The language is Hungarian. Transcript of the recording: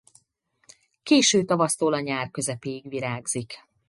Késő tavasztól a nyár közepéig virágzik.